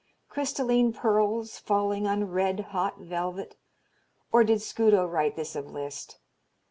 Crystalline pearls falling on red hot velvet or did Scudo write this of Liszt?